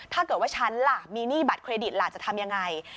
ถ้าเกิดว่าฉันล่ะมีหนี้บัตรเครดิตล่ะจะทำยังไง